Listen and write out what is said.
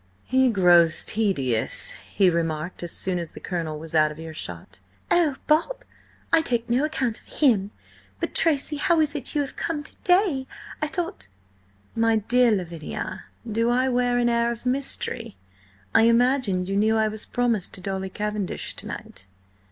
"He grows tedious," he remarked, as soon as the Colonel was out of earshot. "Oh, Bob! I take no account of him! But, Tracy, how is it you have come to day? I thought—" "My dear Lavinia, do I wear an air of mystery? I imagined you knew I was promised to Dolly Cavendish to night?"